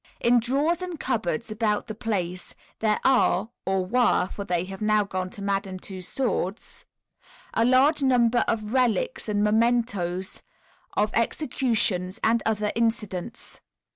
In drawers and cupboards about the place there are (or were, for they have now gone to Madame Tussaud's) a large number of relics and mementos of executions and other incidents.